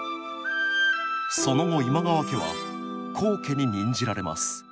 その後今川家は高家に任じられます。